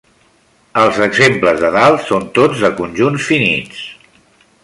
Els exemples de dalt són tots de conjunts finits.